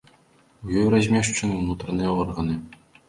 У ёй размешчаны ўнутраныя органы.